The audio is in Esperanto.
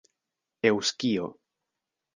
eŭskio